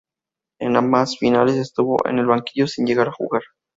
En ambas finales estuvo en el banquillo, sin llegar a jugar.